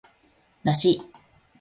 だし